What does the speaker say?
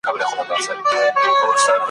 فال ختلئ می رښتیا دئ.